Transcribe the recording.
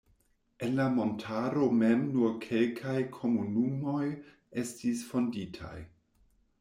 En la montaro mem nur kelkaj komunumoj estis fonditaj.